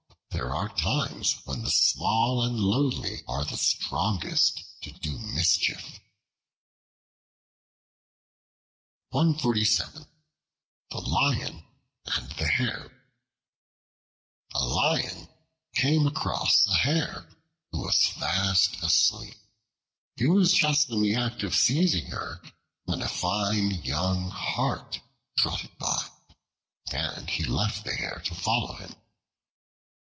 There are times when the small and lowly are the strongest to do mischief." The Lion and the Hare A LION came across a Hare, who was fast asleep. He was just in the act of seizing her, when a fine young Hart trotted by, and he left the Hare to follow him.